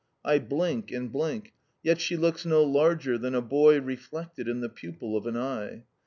I blink and blink, yet she looks no larger than a boy reflected in the pupil of an eye.